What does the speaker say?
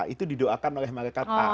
itu didoakan oleh malaikat